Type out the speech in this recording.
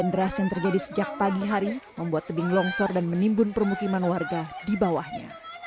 hujan deras yang terjadi sejak pagi hari membuat tebing longsor dan menimbun permukiman warga di bawahnya